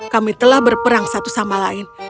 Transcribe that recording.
kami telah berperang satu sama lain